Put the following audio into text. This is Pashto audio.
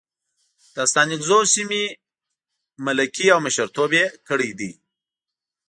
د ستانکزو سیمې ملکي او مشرتوب یې کړی دی.